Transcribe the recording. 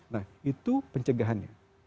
nah itu pencegahannya